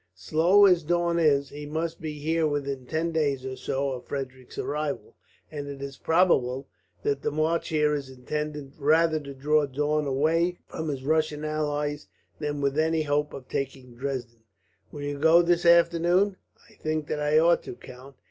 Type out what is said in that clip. Slow as Daun is, he must be here within ten days or so of Frederick's arrival; and it is probable that the march here is intended rather to draw Daun away from his Russian allies, than with any hope of taking Dresden." "Will you go this afternoon?" "I think that I ought to, count.